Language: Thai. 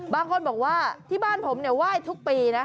บางคนบอกว่าที่บ้านผมเนี่ยไหว้ทุกปีนะ